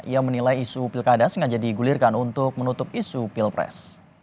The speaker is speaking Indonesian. ia menilai isu pilkada sengaja digulirkan untuk menutup isu pilpres